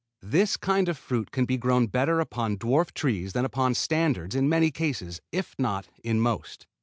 This kind of fruit can be grown better upon dwarf trees than upon standards in many cases, if not in most.